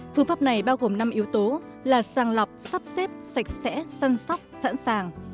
phương pháp này bao gồm năm yếu tố là sàng lọc sắp xếp sạch sẽ săn sóc sẵn sàng